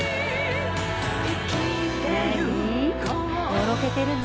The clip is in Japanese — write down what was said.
のろけてるの？